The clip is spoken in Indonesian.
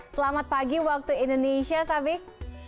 selamat pagi waktu indonesia sabik